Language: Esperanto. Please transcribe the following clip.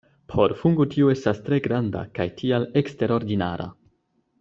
Por fungo tio estas tre granda kaj tial eksterordinara.